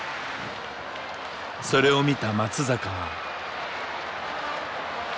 それを見た松坂は。